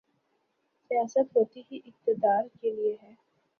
سیاست ہوتی ہی اقتدار کے لیے ہے۔